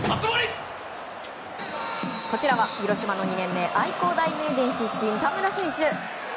こちらは広島の２年目愛工大名電出身田村選手。